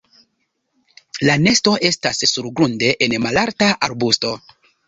La nesto estas surgrunde en malalta arbusto.